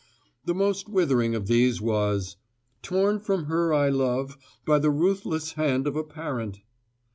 The most withering of these was, "Torn from her I love by the ruthless hand of a parent.